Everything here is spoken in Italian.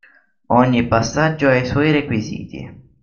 Ogni passaggio ha i suoi requisiti.